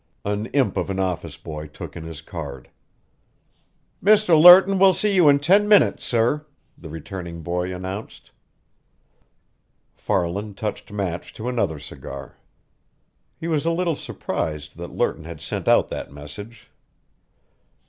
An imp of an office boy took in his card. "Mr. Lerton will see you in ten minutes, sir," the returning boy announced. Farland touched match to another cigar. He was a little surprised that Lerton had sent out that message.